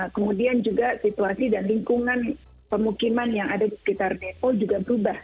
kemudian juga situasi dan lingkungan pemukiman yang ada di sekitar depo juga berubah